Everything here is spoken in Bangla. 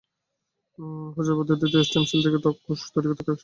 প্রচলিত পদ্ধতিতে স্টেম সেল থেকে ত্বককোষ তৈরিতে কয়েক সপ্তাহ সময় লাগে।